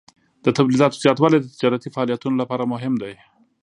د تولیداتو زیاتوالی د تجارتي فعالیتونو لپاره مهم دی.